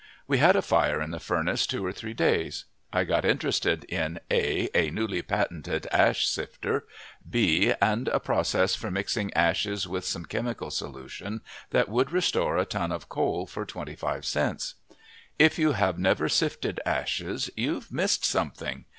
We had a fire in the furnace two or three days. I got interested in (a) a newly patented ash sifter (b) and a process for mixing ashes with some chemical solution that would restore a ton of coal for twenty five cents. If you have never sifted ashes, you've missed something.